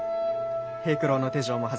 平九郎の手錠も外れた。